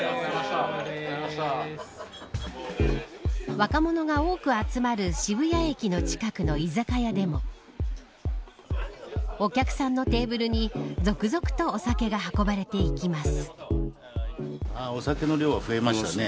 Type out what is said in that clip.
若者が多く集まる渋谷駅の近くの居酒屋でもお客さんのテーブルに続々とお酒が運ばれていきます。